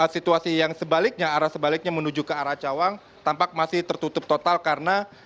situasi yang sebaliknya arah sebaliknya menuju ke arah cawang tampak masih tertutup total karena